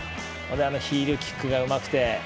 ヒールキックがうまくて。